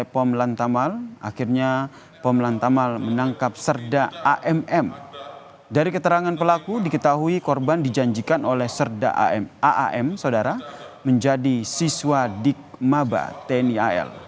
dari keterangan pelaku diketahui korban dijanjikan oleh serda aam saudara menjadi siswa dikmaba tni al